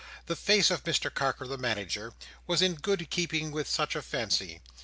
The face of Mr Carker the Manager was in good keeping with such a fancy.